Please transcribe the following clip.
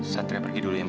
satria pergi dulu ya ma